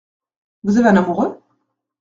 Vous avez un amoureux ?